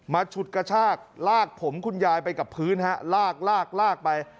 มัดฉุดกระชากลากผมคุณยายไปกับพื้นลากไป